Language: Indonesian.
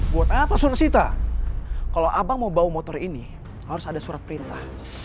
jadi sebagai gantinya motornya aku mau bayar motor ini harus ada surat perintah